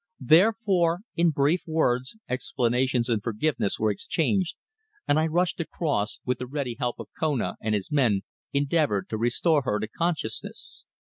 Therefore in brief words explanations and forgiveness were exchanged and I rushed across, and with the ready help of Kona and his men endeavoured to restore her to consciousness.